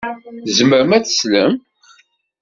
Tzemrem ad teslem?